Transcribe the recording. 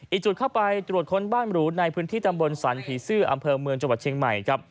อีกจุดเข้าไปตรวจค้นบ้านหรูในพื้นที่ตำบลสันผีซื่ออำเภอเมืองจังหวัดเชียงใหม่ครับ